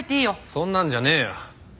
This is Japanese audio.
そんなんじゃねえよ。